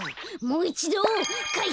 もういちど。